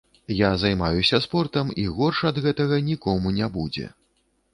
Я займаюся спортам, і горш ад гэтага нікому не будзе.